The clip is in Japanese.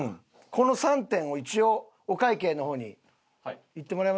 この３点を一応お会計の方に言ってもらいましょうか。